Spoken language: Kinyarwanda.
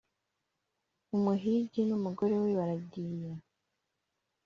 umuhigi n'umugore we baragiye